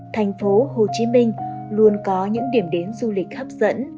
thành phố hồ chí minh luôn có những điểm đến du lịch hấp dẫn